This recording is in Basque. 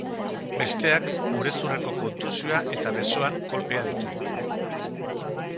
Besteak burezurreko kontusioa eta besoan kolpea ditu.